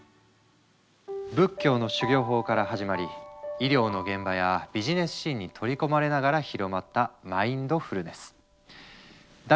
仏教の修行法から始まり医療の現場やビジネスシーンに取り込まれながら広まったマインドフルネス。